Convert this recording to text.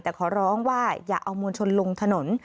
แต่ขอร้องว่าอย่าเอามวลชนลงถนน